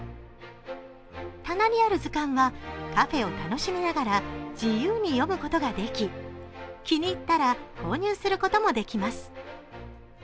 棚にある図鑑はカフェを楽しみながら自由に読むことができ気に入ったら購入することもできます。